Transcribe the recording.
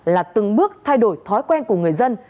là từng bước thay đổi thói quen của người dân